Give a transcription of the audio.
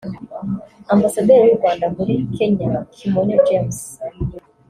Ambasaderi w’u Rwanda muri Kenya Kimonyo James